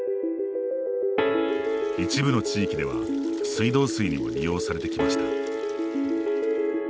一部の地域では水道水にも利用されてきました。